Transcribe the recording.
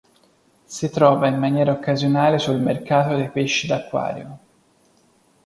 Si trova in maniera occasionale sul mercato dei pesci d'acquario.